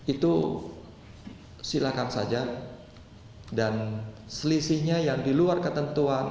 itu silakan saja dan selisihnya yang di luar ketentuan